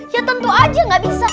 ya tentu aja gak bisa